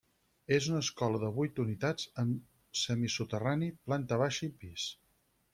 És una escola de vuit unitats, amb semisoterrani, planta baixa i pis.